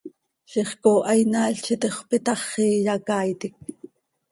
Ziix cooha inaail z itixöp itaxi, iyacaaitic.